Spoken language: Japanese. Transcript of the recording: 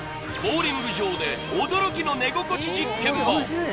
ボウリング場で驚きの寝心地実験も！